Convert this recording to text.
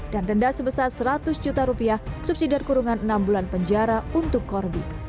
dan denda sebesar seratus juta rupiah subsidi dari kurungan enam bulan penjara untuk corbi